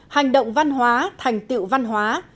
hành động văn hóa thành tựu văn hóa